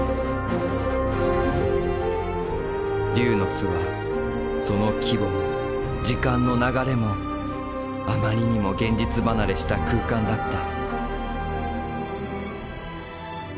龍の巣はその規模も時間の流れもあまりにも現実離れした空間だった。